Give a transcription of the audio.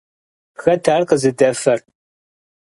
Хэт ар къызыдэфэр?